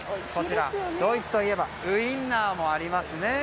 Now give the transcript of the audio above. ドイツといえばウインナーもありますね。